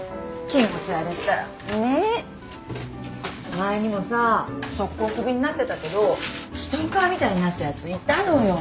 前にもさ即行首になってたけどストーカーみたいになったやついたのよ。